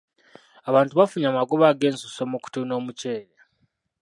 Abantu bafunye amagoba ag'ensusso mu kutunda omuceere.